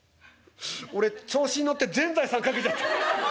俺調子に乗って全財産賭けちゃった。